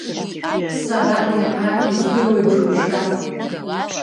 Сара иаҳа издыруа џьушьап.